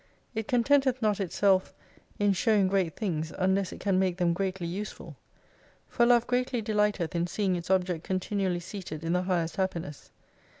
It contenteth not itself in showing great things unless it can make them greatly useful. For Love greatly dellghteth in seeing its object continually seated in the highest happiness.